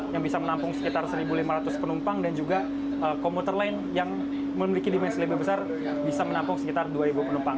yang bisa menampung sekitar satu lima ratus penumpang dan juga komuter lain yang memiliki dimensi lebih besar bisa menampung sekitar dua penumpang